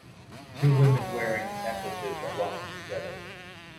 Two women wearing necklaces are walking together.